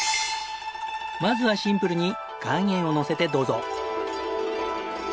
まずはシンプルに岩塩をのせてどうぞ！